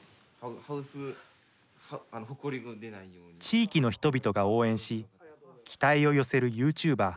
地域の人々が応援し期待を寄せるユーチューバー。